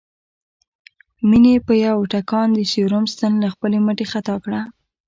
مينې په يوه ټکان د سيروم ستن له خپلې مټې خطا کړه